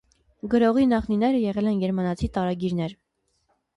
Գրողի նախնիները եղել են գերմանացի տարագիրներ։